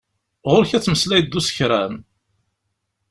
Ɣur-k ad tmeslayeḍ d usekṛan.